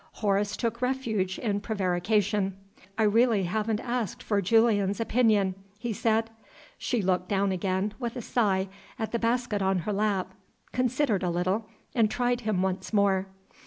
Horace took refuge in prevarication. "I really haven't asked for Julian's opinion," he said. She looked down again, with a sigh, at the basket on her lap considered a little and tried him once more.